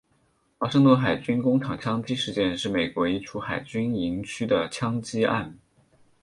华盛顿海军工厂枪击事件是美国一处海军营区的枪击案。